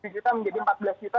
satu juta menjadi empat belas juta